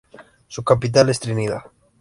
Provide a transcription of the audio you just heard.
Su capital es Trinidad.